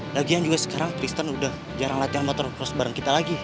lagian juga sekarang kristen udah jarang latihan motor cross bareng kita lagi